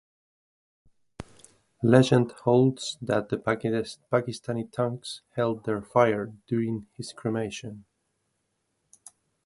Legend holds that the Pakistani tanks held their fire during his cremation.